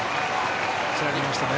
つなぎましたね。